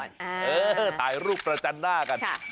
เออถ่ายรูปประจันหน้ากัน